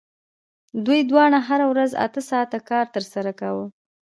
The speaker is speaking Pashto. دوی دواړو هره ورځ اته ساعته کار ترسره کاوه